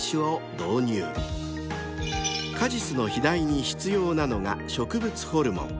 ［果実の肥大に必要なのが植物ホルモン］